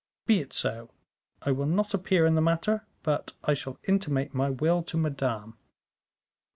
"Be it so; I will not appear in the matter, but I shall intimate my will to Madame."